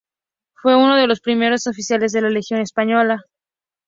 Fue uno de los primeros oficiales de la Legión Española.